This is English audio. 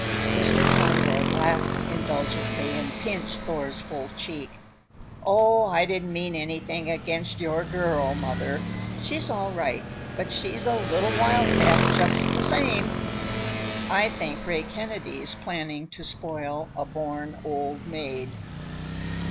Mr. Kronborg laughed indulgently and pinched Thor's full cheek. "Oh, I didn't mean anything against your girl, mother! She's all right, but she's a little wild cat, just the same. I think Ray Kennedy's planning to spoil a born old maid."